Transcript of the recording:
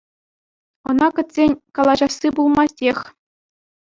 Ӑна кӗтсен, калаҫасси пулмастех.